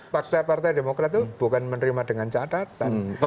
fakta partai demokrat itu bukan menerima dengan catatan